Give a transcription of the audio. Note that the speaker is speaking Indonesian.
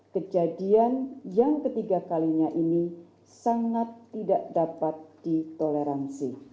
kejadian yang ketiga kalinya ini sangat tidak dapat ditoleransi